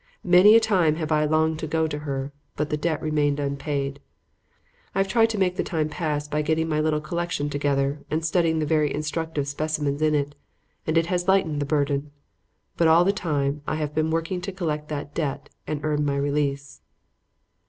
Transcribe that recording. Many a time have I longed to go to her, but the debt remained unpaid. I have tried to make the time pass by getting my little collection together and studying the very instructive specimens in it; and it has lightened the burden. But all the time I have been working to collect that debt and earn my release."